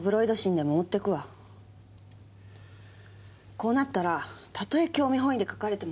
こうなったらたとえ興味本位で書かれても。